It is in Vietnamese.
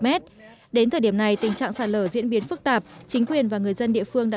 m đến thời điểm này tình trạng sạt lở diễn biến phức tạp chính quyền và người dân địa phương đã